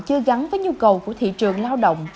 chưa gắn với nhu cầu của thị trường lao động